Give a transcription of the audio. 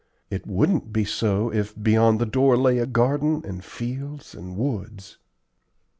It wouldn't be so if beyond the door lay a garden and fields and woods.